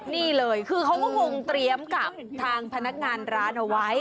นี่เลยเค้าก็ว่ากับพนักงานระต้ววาย